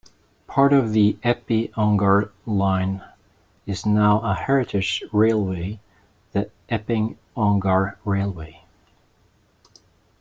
Part of the Epping-Ongar line is now a heritage railway, the Epping Ongar Railway.